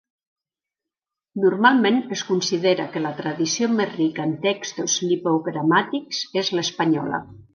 Normalment es considera que la tradició més rica en textos lipogramàtics és l'espanyola.